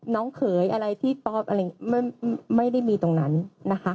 เขยอะไรที่ป๊อปอะไรอย่างนี้ไม่ได้มีตรงนั้นนะคะ